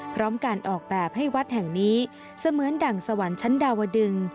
พร้อมการออกแบบให้วัดแห่งนี้เสมือนดั่งสวรรค์ชั้นดาวดึง